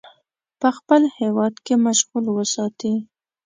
په خپل هیواد کې مشغول وساتي.